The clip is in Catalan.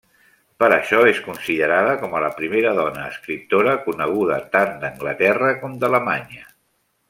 Per això és considerada com a la primera dona escriptora coneguda tant d'Anglaterra com d'Alemanya.